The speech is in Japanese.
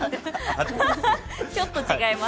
ちょっと違います。